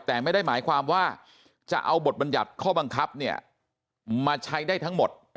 แต่ไม่ได้หมายความว่าจะเอาบทบรรยัติข้อบังคับมาใช้ได้ทั้งหมด